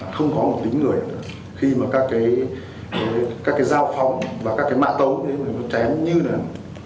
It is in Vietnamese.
không có một lính người khi mà các cái giao phóng và các cái mạ tấu chém như thế này